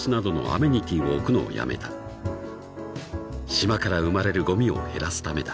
［島から生まれるごみを減らすためだ］